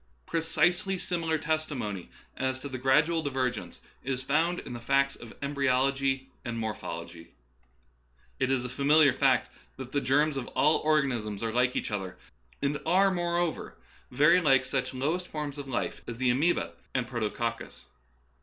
Precisely similar testimony as to gradual diver gence is found in the facts of embryology and morphology. It is a familiar fact that the germs of all organisms are like each other, and are, moreover, very like such lowest forms of life as the amoeba and protococcus.